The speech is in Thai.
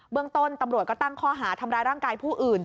เรื่องต้นตำรวจก็ตั้งข้อหาทำร้ายร่างกายผู้อื่น